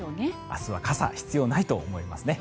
明日は傘は必要ないと思いますね。